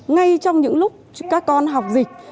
ngay trong những lúc các con học dịch